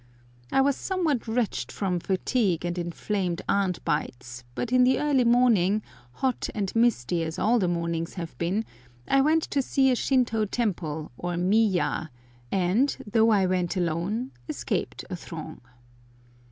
I was somewhat wretched from fatigue and inflamed ant bites, but in the early morning, hot and misty as all the mornings have been, I went to see a Shintô temple, or miya, and, though I went alone, escaped a throng.